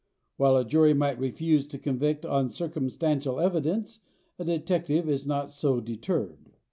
While a jury might refuse to convict on circumstantial evidence a detective is not so deterred.